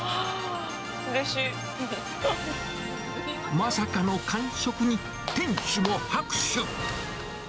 まさかの完食に、店主も拍手。